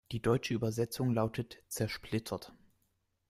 Die deutsche Übersetzung lautet "Zersplittert".